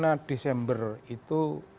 itu yang saya ingin mengingatkan